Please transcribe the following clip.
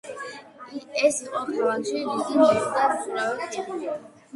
ეს იყო ქალაქში რიგით მეხუთე მცურავი ხიდი.